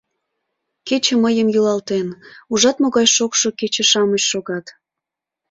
— Кече мыйым йӱлалтен, ужат могай шокшо кече-шамыч шогат...